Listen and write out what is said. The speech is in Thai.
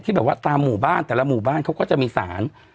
แบบว่าตามหมู่บ้านแต่ละหมู่บ้านเขาก็จะมีสาร